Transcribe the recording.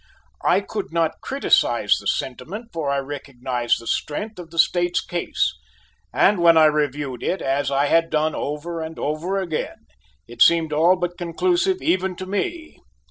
I could not criticise the sentiment, for I recognized the strength of the State's case: and when I reviewed it, as I had done over and over again, it seemed all but conclusive even to me.